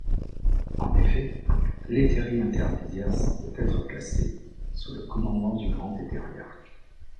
En effet, l'Hétairie intermédiaire semble être placée sous le commandement du Grand Hétériarque.